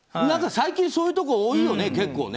何か最近、結構そういうところ多いよね。